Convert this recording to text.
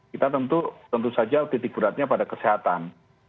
kita tentu saja titik beratnya pada kesehatan